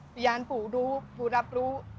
พยานปู่รู้ปู่รับรู้